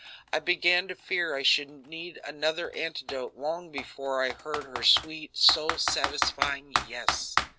I began to fear I should need another antidote long before I heard her sweet soul satisfying "yes."